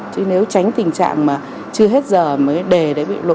chứ nếu tránh tình trạng mà chưa hết giờ mới đề để bị lộ lọt thì không có gì